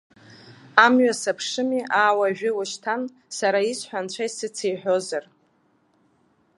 Амҩа саԥшыми, аа, уажәы-ушьҭан, сара исҳәо анцәа исыциҳәозар.